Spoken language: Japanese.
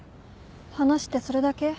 話ってそれだけ？